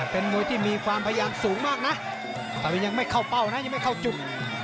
เป็นมวยที่มีความพยายามสูงมากนะตอนนี้ยังไม่เข้าเป้านะยังไม่เข้าจุด